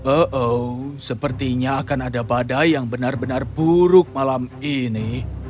oh sepertinya akan ada badai yang benar benar buruk malam ini